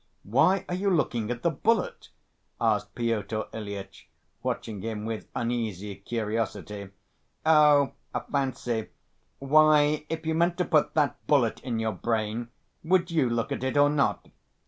"Why are you looking at the bullet?" asked Pyotr Ilyitch, watching him with uneasy curiosity. "Oh, a fancy. Why, if you meant to put that bullet in your brain, would you look at it or not?"